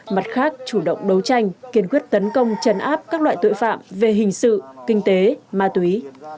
mặt khác chủ động đấu tranh kiên quyết tấn công chấn áp các loại tội phạm về hình sự kinh tế ma túy